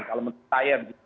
kalau menurut saya